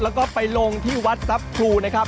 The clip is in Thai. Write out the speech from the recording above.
แล้วก็ไปลงที่วัดทรัพย์ครูนะครับ